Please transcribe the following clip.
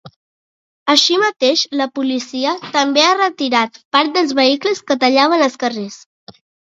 Així mateix, la policia també ha retirat part dels vehicles que tallaven els carrers.